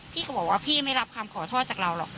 พี่ก็บอกว่าพี่ไม่รับคำขอโทษจากเราหรอก